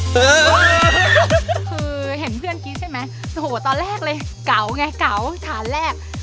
คือเห็นเพื่อนกรี๊ดใช่ไหมโอ้โหตอนแรกเลยเก๋าไงเก๋าฐานแรก